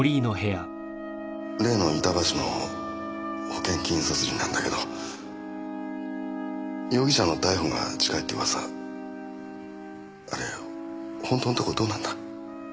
例の板橋の保険金殺人なんだけど容疑者の逮捕が近いってうわさあれほんとのとこどうなんだ？